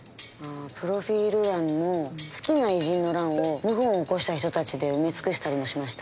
プロフィール欄の好きな偉人の欄を謀反を起こした人たちで埋め尽くしたりもしました。